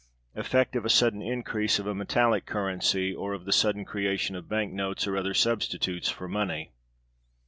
Effect of a sudden increase of a metallic Currency, or of the sudden creation of Bank Notes or other substitutes for Money.